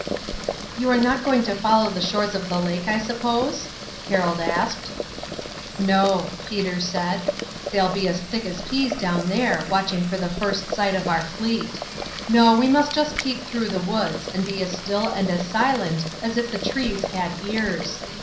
"You are not going to follow the shores of the lake, I suppose?" Harold asked. "No," Peter said. "They'll be as thick as peas down there, watching for the first sight of our fleet. No, we must just keep through the woods and be as still and as silent as if the trees had ears.